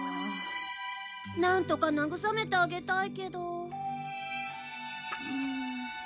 なんとか慰めてあげたいけど。